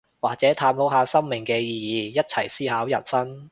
或者探討下生命嘅意義，一齊思考人生